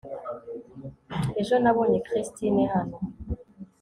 ejo nabonye christine hano